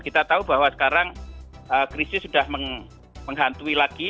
kita tahu bahwa sekarang krisis sudah menghantui lagi